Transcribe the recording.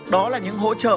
đó là những hỗ trợ